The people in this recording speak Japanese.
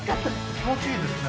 気持ちいいですね。